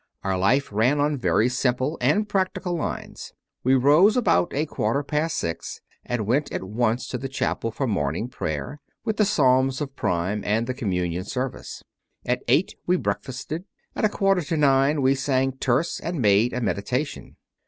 Our life ran on very simple and practical lines. We rose about a quarter past six and went at once to the chapel for Morning Prayer with the psalms 62 CONFESSIONS OF A CONVERT of Prime, and the Communion service; at eight we breakfasted; at a quarter to nine we said Terce and made a meditation.